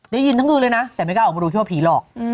ได้ยินทั้งคืนเลยนะแต่ไม่กล้าออกมาดูคิดว่าผีหลอก